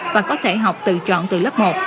và có thể học tự chọn từ lớp một